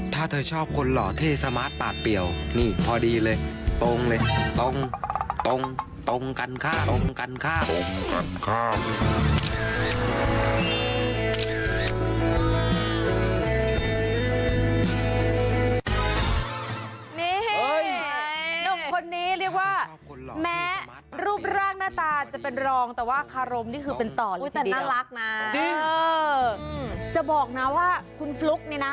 ถ้าเธอชอบคนหล่อที่สมาร์ทปากเปี่ยวนี่พอดีเลยตรงเลยตรงตรงกันข้าม